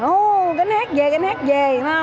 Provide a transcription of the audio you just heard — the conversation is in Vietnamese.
ồ gánh hát về gánh hát về